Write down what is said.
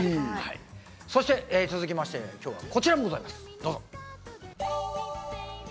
続きまして、今日はこちらでございます、どうぞ。